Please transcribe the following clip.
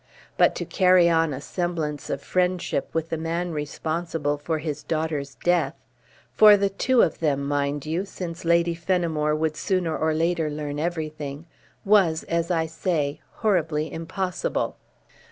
But to carry on a semblance of friendship with the man responsible for his daughter's death for the two of them, mind you, since Lady Fenimore would sooner or later learn everything was, as I say, horribly impossible.